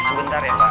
sebentar ya mbak